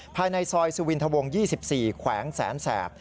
ภายในซอยสุวินทวง๒๔แขวงแสนแสบ